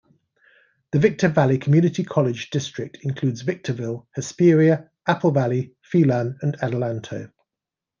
The Victor Valley Community College district includes Victorville, Hesperia, Apple Valley, Phelan and Adelanto.